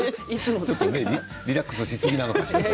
リラックスしすぎなのかしら。